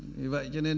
vì vậy cho nên